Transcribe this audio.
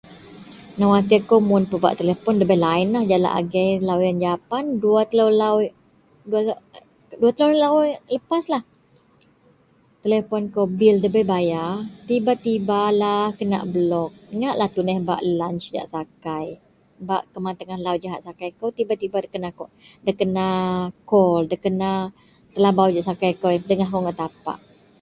newatir kou mun pebak telepon debei linelah, jalak agei lau ien japan dua telou lau, dua la dua telou lepaslah, telepon kou bil debei bayar tiba-tibalah kena block, ngaklah tuneh bak lunch jahak sakai, bak keman tengahlau jahak sakai kou tiba-tiba da kena cal, dakena cal dakena telabau gak sakai kou ien pedegah akou ngak tapak